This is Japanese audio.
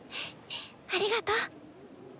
ありがとう。